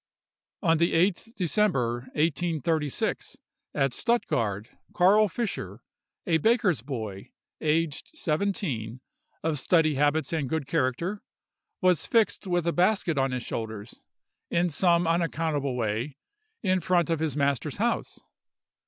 On the 8th December, 1836, at Stuttgard, Carl Fischer, a baker's boy, aged seventeen, of steady habits and good character, was fixed with a basket on his shoulders, in some unaccountable way, in front of his master's house.